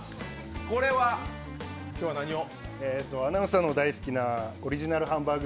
これは今日は何を？